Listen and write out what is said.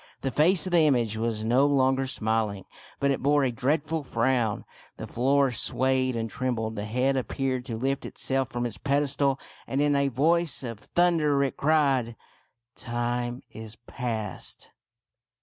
The face of the image was no longer smiling, but it bore a dreadful frown. The floor swayed and trembled. The head appeared to lift itself from its pedestal, and in a voice of thunder it cried, —" Time is past